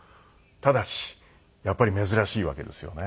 ただしやっぱり珍しいわけですよね。